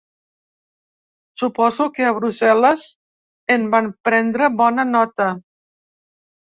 Suposo que a Brussel·les en van prendre bona nota.